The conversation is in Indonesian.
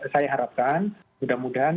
saya harapkan mudah mudahan